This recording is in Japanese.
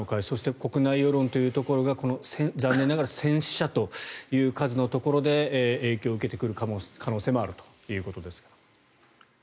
そして国内世論というところが残念ながら戦死者という数のところで影響を受けてくる可能性もあるということですが。